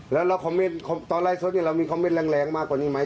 แล้วคอมเมนต์ตอนไลฟ์สดเนี่ยเรามีคอมเมนต์แรงมากกว่านี้ไหม